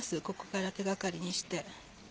ここから手掛かりにして。